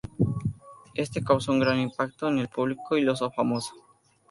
Éste causó un gran impacto en el público y lo hizo famoso.